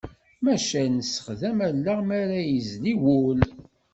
Maca nessexdam allaɣ mi ara yezli wul.